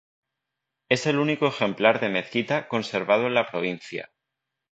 Es el único ejemplar de mezquita conservado en la provincia.